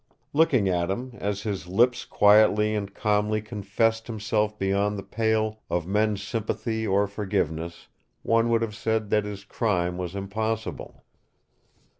Looking at him, as his lips quietly and calmly confessed himself beyond the pale of men's sympathy or forgiveness, one would have said that his crime was impossible.